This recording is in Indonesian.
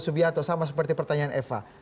subianto sama seperti pertanyaan eva